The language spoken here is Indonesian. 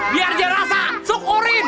biar dia rasa sukurin